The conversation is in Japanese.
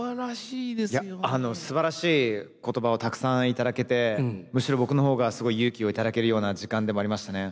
いやすばらしい言葉をたくさん頂けてむしろ僕の方がすごい勇気を頂けるような時間でもありましたね。